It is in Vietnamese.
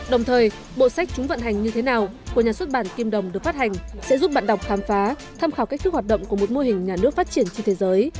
đồng thời bộ sách chúng vận hành như thế nào của nhà xuất bản kim đồng được phát hành sẽ giúp bạn đọc khám phá tham khảo cách thức hoạt động của một mô hình nhà nước phát triển trên thế giới